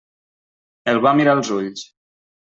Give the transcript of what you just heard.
El va mirar als ulls.